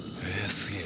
すげえ！